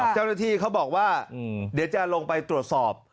เจ้าหน้าที่เขาบอกว่าเดี๋ยวจะลงไปตรวจสอบ